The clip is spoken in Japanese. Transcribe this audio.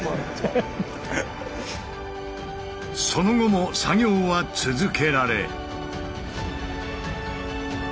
その後も作業は続けられ。